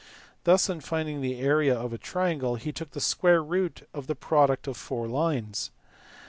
Thus in finding the area of a triangle he took the square root of the product of four lines.